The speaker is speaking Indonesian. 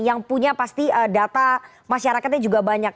yang punya pasti data masyarakatnya juga banyak